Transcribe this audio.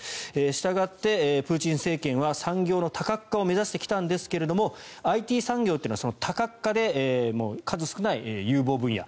したがってプーチン政権は産業の多角化を目指してきたんですがＩＴ産業というのは多角化で数少ない有望分野。